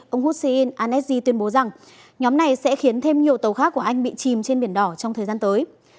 ông hussein anesi tuyên bố rằng nhóm này sẽ khiến thêm nhiều tàu khác của anh bị chìm trên biển đỏ trong thời gian tới